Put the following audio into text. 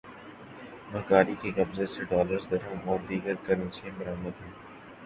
بھکاری کے قبضے سے ڈالرز، درہم اور دیگر کرنسیاں برآمد ہوئیں